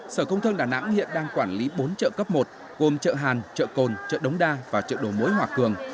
sở công thương đà nẵng hiện đang quản lý bốn chợ cấp một gồm chợ hàn chợ cồn chợ đống đa và chợ đồ mối hòa cường